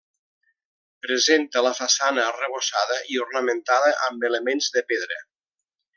Presenta la façana arrebossada i ornamentada amb elements de pedra.